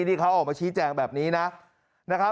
นี่เขาออกมาชี้แจงแบบนี้นะครับ